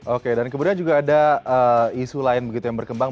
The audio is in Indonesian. oke dan kemudian juga ada isu lain begitu yang berkembang